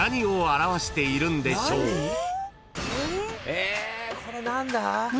えーこれ何だ？